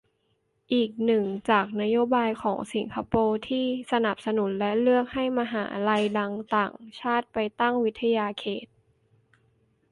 อีกหนึ่ง จากนโยบายของสิงคโปร์ที่สนับสนุน และเลือก ให้มหาลัยต่างชาติไปตั้งวิทยาเขต